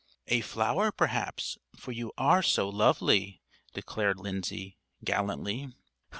"A flower, perhaps; for you are so lovely," declared Lindsay, gallantly.